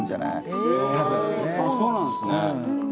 へえそうなんですね。